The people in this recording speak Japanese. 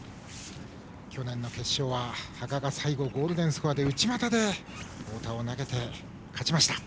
去年の決勝は羽賀が最後ゴールデンスコアで内股で太田を投げて、勝ちました。